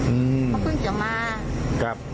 อืมเขาเพิ่งจะมา